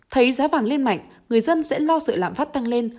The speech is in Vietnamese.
thấy giá vàng lên mạnh người dân sẽ lo sợ lạm phát tăng lên